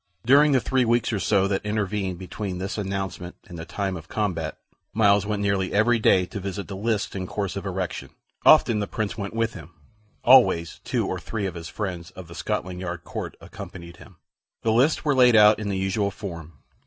During the three weeks or so that intervened between this announcement and the time of combat, Myles went nearly every day to visit the lists in course of erection. Often the Prince went with him; always two or three of his friends of the Scotland Yard court accompanied him. The lists were laid out in the usual form.